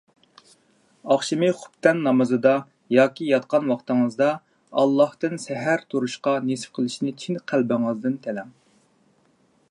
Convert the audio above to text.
ئاخشىمى خۇپتەن نامىزىدا ياكى ياتقان ۋاقتىڭىزدا ئاللاھتىن سەھەر تۇرۇشقا نېسىپ قىلىشنى چىن قەلبىڭىزدىن تىلەڭ.